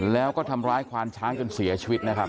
แล้วก็ทำร้ายควานช้างจนเสียชีวิตนะครับ